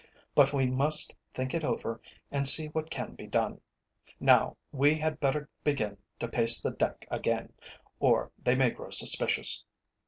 But we must think it over and see what can be done. Now we had better begin to pace the deck again, or they may grow suspicious."